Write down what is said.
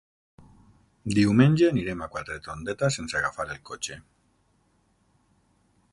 Diumenge anirem a Quatretondeta sense agafar el cotxe.